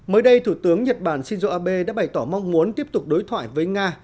mới đây thủ tướng nhật bản shinzo abe đã bày tỏ mong muốn tiếp tục đối thoại với nga